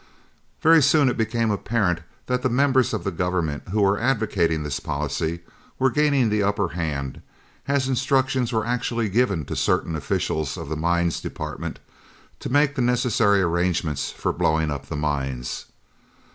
Very soon it became apparent that the members of the Government who were advocating this policy were gaining the upper hand, as instructions were actually given to certain officials of the Mines Department to make the necessary arrangements for blowing up the mines.